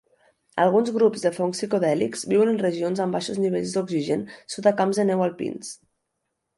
Alguns grups de fongs psicodèlics viuen en regions amb baixos nivells d'oxigen sota camps de neu alpins.